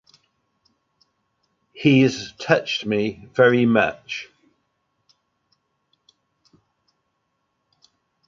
He's touched me very much.